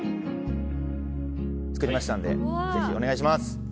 作りましたんでぜひお願いします！